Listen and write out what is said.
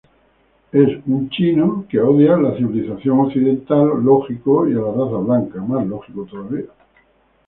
Es un villano chino que odia la civilización occidental y a la raza blanca.